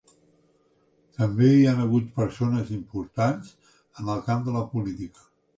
També hi ha hagut persones importants en el camp de la política.